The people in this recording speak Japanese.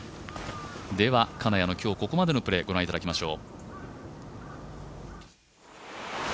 では、金谷の今日ここまでのプレー御覧いただきましょう。